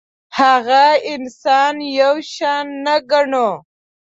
هغه انسان یو شان نه ګڼو.